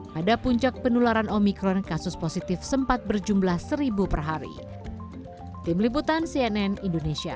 pada puncak penularan omikron kasus positif sempat berjumlah seribu per hari